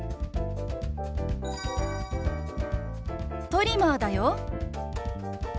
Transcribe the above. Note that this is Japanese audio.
トリマーだよ。